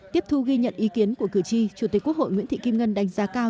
tiếp thu ghi nhận ý kiến của cử tri chủ tịch quốc hội nguyễn thị kim ngân đánh giá cao